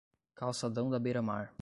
calçadão da beira mar